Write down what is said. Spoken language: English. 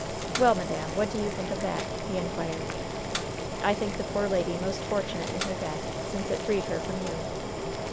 "Well, madam, what do you think of that?" he inquired. "I think the poor lady most fortunate in her death, since it freed her from you."